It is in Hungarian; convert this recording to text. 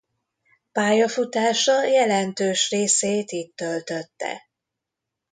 Pályafutása jelentős részét itt töltötte.